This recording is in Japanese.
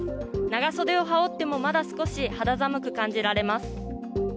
長袖を羽織っても、まだ少し肌寒く感じられます。